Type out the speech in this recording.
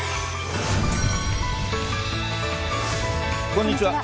こんにちは。